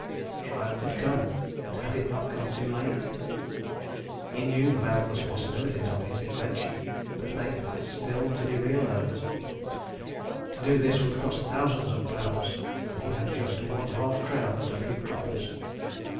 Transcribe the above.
Triumph had come, but had it not come too late? He knew the boundless possibilities of his invention but they had still to be realised. To do this would cost thousands of pounds, and he had just one half crown and a few coppers.